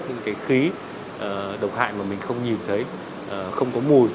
để lọc bớt những khí độc hại mà mình không nhìn thấy không có mùi